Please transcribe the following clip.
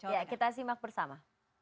ya kita simak bersama